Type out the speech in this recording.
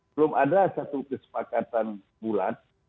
belum ada satu kesepakatan bulat